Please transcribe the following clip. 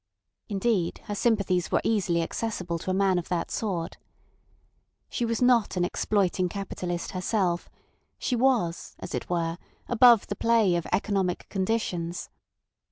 Indeed, her sympathies were easily accessible to a man of that sort. She was not an exploiting capitalist herself; she was, as it were, above the play of economic conditions.